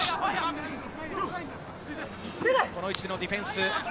この位置でのディフェンス。